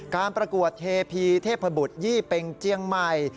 ประกวดเทพีเทพบุตรยี่เป็งเจียงใหม่